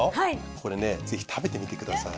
これねぜひ食べてみてください。